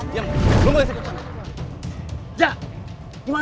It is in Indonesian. diam lo bayar sekarang